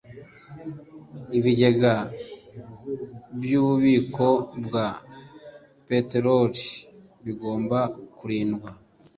ibigega by’ububiko bwa peteroli bigomba kurindwa